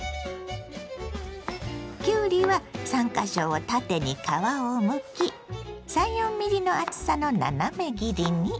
きゅうりは３か所を縦に皮をむき３４ｍｍの厚さの斜め切りに。